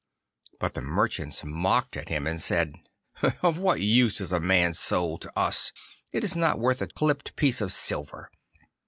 But the merchants mocked at him, and said, 'Of what use is a man's soul to us? It is not worth a clipped piece of silver.